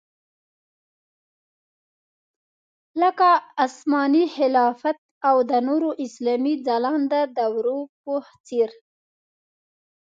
لکه عثماني خلافت او د نورو اسلامي ځلانده دورو په څېر.